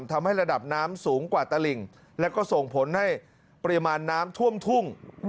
ทำให้ระดับน้ำสูงกว่าตลิ่งแล้วก็ส่งผลให้ปริมาณน้ำท่วมทุ่ง